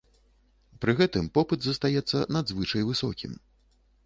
Пры гэтым попыт застаецца надзвычай высокім.